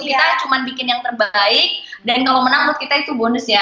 kita cuma bikin yang terbaik dan kalau menang menurut kita itu bonus ya